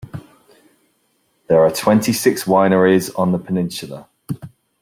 There are twenty six wineries on the peninsula.